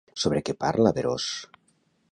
Sobre què parla Berós?